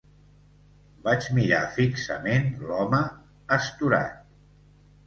Vaig mirar fixament l'home, astorat.